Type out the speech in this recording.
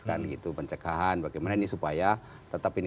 dan itu pencegahan bagaimana ini supaya tetap ini